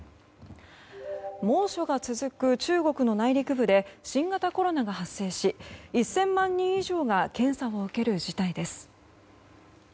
猛暑が続く中国の内陸部で新型コロナが発生し１０００万人以上が検査を受ける事態です。